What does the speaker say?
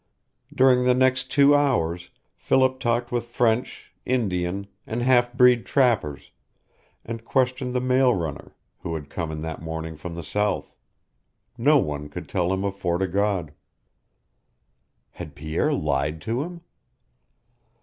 During the next two hours Philip talked with French, Indian, and half breed trappers, and questioned the mail runner, who had come in that morning from the south. No one could tell him of Fort o' God. Had Pierre lied to him?